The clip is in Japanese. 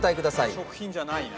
食品じゃないな。